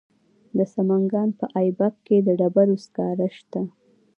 د سمنګان په ایبک کې د ډبرو سکاره شته.